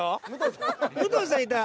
武藤さんいたよ！